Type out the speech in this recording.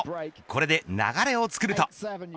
これで流れを作ると。